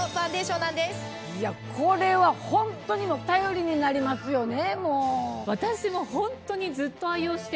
これはホントに頼りになりますよね。